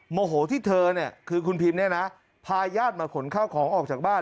โมโหที่เธอคือคุณพิมพาญาติมาขนข้าวของออกจากบ้าน